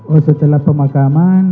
oh setelah pemakaman